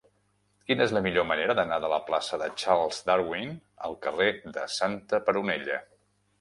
Quina és la millor manera d'anar de la plaça de Charles Darwin al carrer de Santa Peronella?